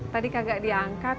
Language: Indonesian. tadi kagak diangkat